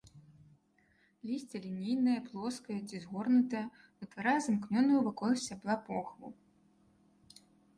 Лісце лінейнае, плоскае ці згорнутае, утварае замкнёную вакол сцябла похву.